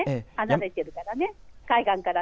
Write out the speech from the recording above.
離れているから、海岸から。